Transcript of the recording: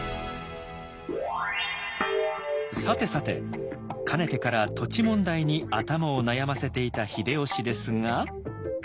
さてさてかねてから土地問題に頭を悩ませていた秀吉ですが。